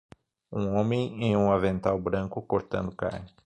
Um homem em um avental branco cortando carne.